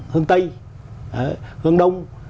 hướng tây hướng đông